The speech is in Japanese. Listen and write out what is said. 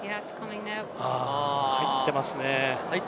入っていますね。